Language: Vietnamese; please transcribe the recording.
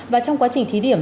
và trong quá trình thí điểm